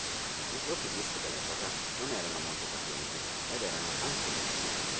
I floppy disk dell'epoca non erano molto capienti ed erano anche lenti.